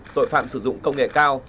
tội phạm sử dụng công nghệ cao